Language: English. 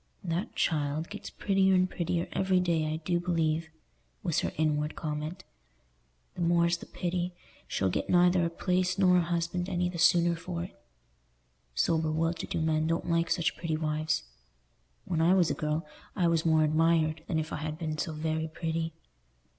"That child gets prettier and prettier every day, I do believe," was her inward comment. "The more's the pity. She'll get neither a place nor a husband any the sooner for it. Sober well to do men don't like such pretty wives. When I was a girl, I was more admired than if I had been so very pretty.